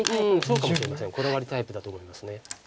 そうかもしれませんこだわりタイプだと思います。